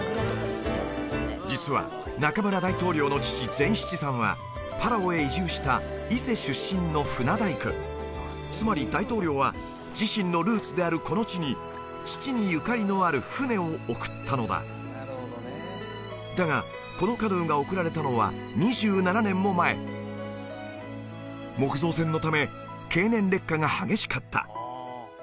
実はナカムラ大統領の父善七さんはパラオへ移住した伊勢出身の船大工つまり大統領は自身のルーツであるこの地に父にゆかりのある舟を贈ったのだだがこのカヌーが贈られたのは２７年も前木造船のため経年劣化が激しかった